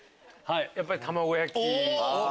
やっぱり卵焼き。